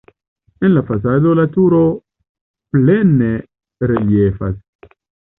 En la fasado la turo plene reliefas.